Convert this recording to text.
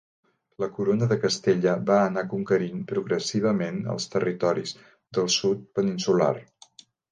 La Corona de Castella va anar conquerint progressivament els territoris del sud peninsular.